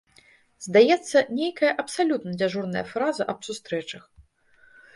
Здаецца, нейкая абсалютна дзяжурная фраза аб сустрэчах.